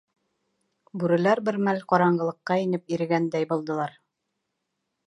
Бүреләр бер мәл ҡараңғылыҡҡа инеп ирегәндәй булдылар.